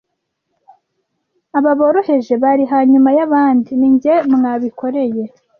aba boroheje bari hanyuma y’abandi, ni jye mwabikoreye.